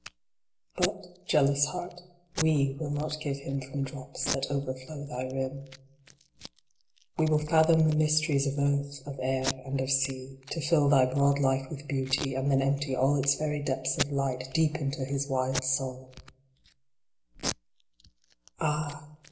But, jealous heart, we will not give him from drops that overflow thy rim. We will fathom the mysteries of earth, of air and of sea, to fill thy broad life with beauty, and then empty all its very depths of light deep into his wide soul ! IL Ah